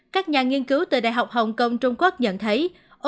các nhà nghiên cứu từ đại học hồng kông trung quốc nhận thấy